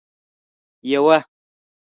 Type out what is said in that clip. یوه